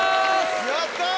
やった！